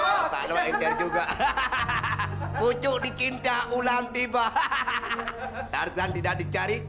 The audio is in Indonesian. aduh lepas sih aduh encer juga hahaha pucuk dikinda ulam tiba hahaha tarzan tidak dicari